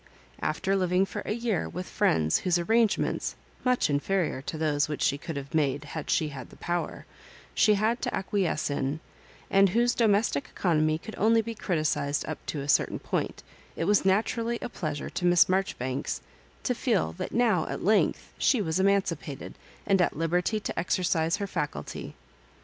After living for a year with friends whose arrangements (much inferior to those which she could have made had she had the power) she had to acquiesce in, and whose domestic economy could only be criticised up to a certain point, it was naturally a pleasure to Miss Maijoribanks to feel that now at length she was emancipated, and at liberty to exercise her faculty.